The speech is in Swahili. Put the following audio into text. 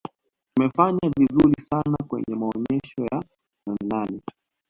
tumefanya vizuri sana kwenye maonesho ya nanenane